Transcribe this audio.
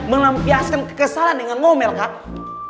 melampiaskan kekesalan dengan ngomel kak